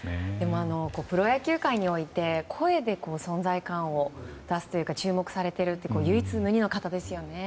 プロ野球界において声で存在感を出すというか注目されているって唯一無二の方ですよね。